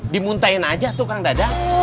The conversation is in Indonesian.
dimuntahin aja tukang dadang